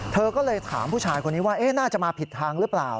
เธอก็เลยถามผู้ชายคนนี้ว่าน่าจะมาผิดทางหรือเปล่า